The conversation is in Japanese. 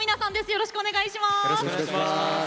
よろしくお願いします。